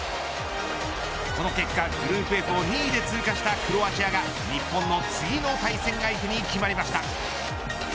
この結果グループＦを２位で通過したクロアチアが日本の次の対戦相手に決まりました。